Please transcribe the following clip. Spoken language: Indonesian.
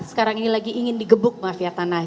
sekarang ini lagi ingin digebuk mafia tanah